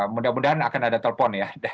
mudah mudahan akan ada telpon ya